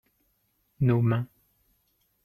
nos mains.